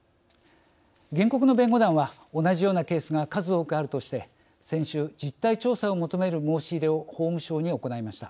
原告の弁護団は同じようなケースが数多くあるとして先週実態調査を求める申し入れを法務省に行いました。